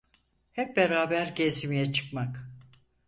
Hep beraber gezmeye çıkmak…